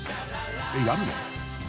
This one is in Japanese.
えっやるの？